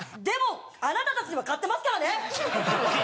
でもあなたたちには勝ってますからね！